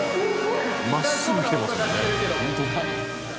真っすぐ来てますもんね。